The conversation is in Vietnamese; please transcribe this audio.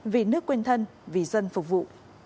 vì nước quên thân vì dân phục vụ